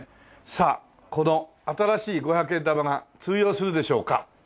さあこの新しい５００円玉が通用するでしょうか？